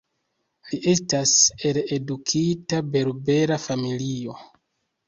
Li estas el edukita berbera familio.